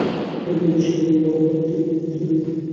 ছোটদের দুষ্টুমি দেখে বড়রা যে-রকম হাসে, সেরকম।